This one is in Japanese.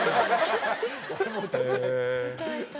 「僕も歌いたい」。